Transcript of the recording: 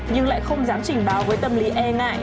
nhưng lại không dám trình báo với tâm lý e ngại